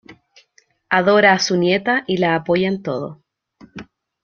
Adora a su nieta y la apoya en todo.